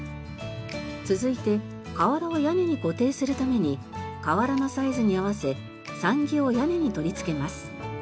続いて瓦を屋根に固定するために瓦のサイズに合わせ桟木を屋根に取り付けます。